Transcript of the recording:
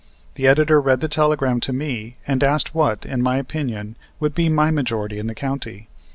The editor read the telegram to me and asked what, in my opinion, would be my majority in the county.